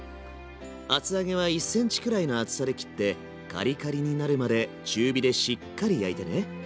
厚揚げは１ｃｍくらいの厚さで切ってカリカリになるまで中火でしっかり焼いてね。